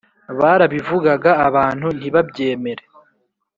Barabivugaga abantu ntibabyemere